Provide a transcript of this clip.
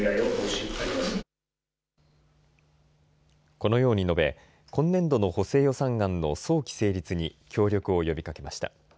このように述べ今年度の補正予算案の早期成立に協力を呼びかけました。